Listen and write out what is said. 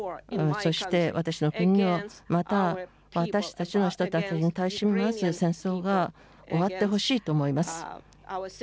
そして私の国もまた私たちの人たちに対する戦争が終わってほしいと思います。